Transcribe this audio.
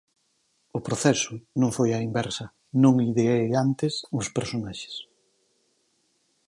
O proceso non foi á inversa, non ideei antes os personaxes.